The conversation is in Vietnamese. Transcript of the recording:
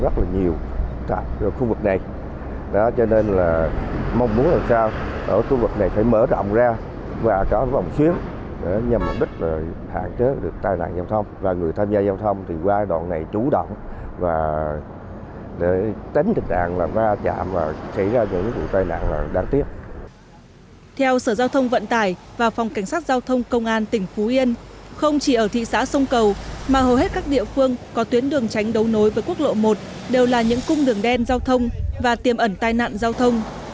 theo sở giao thông vận tải và phòng cảnh sát giao thông công an tỉnh phú yên không chỉ ở thị xã sông cầu mà hầu hết các địa phương có tuyến đường tránh đấu nối với quốc lộ một đều là những cung đường đen giao thông và tiềm ẩn tai nạn giao thông